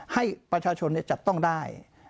ให้ประชาชนจับต้องได้